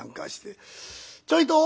「ちょいと。